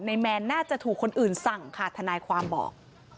แมนน่าจะถูกคนอื่นสั่งค่ะทนายความบอก